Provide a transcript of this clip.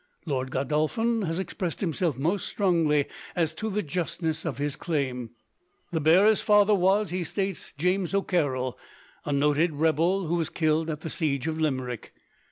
Lord Godolphin has expressed himself most strongly as to the justness of his claim. The bearer's father was, he states, James O'Carroll, a noted rebel who was killed at the siege of Limerick.